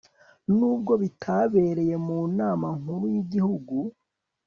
n'ubwo bitabereye mu nama nkuru y'igihugu